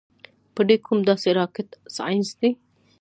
پۀ دې کوم داسې راکټ سائنس دے -